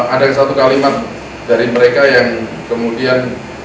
ada satu kalimat dari mereka yang kemudian